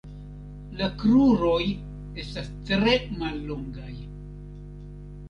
La kruroj estas tre mallongaj.